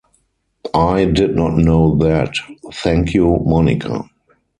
I did not know that. Thank you, Monica